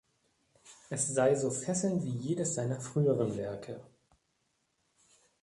Es sei so fesselnd wie jedes seiner früheren Werke.